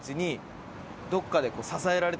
どっかで。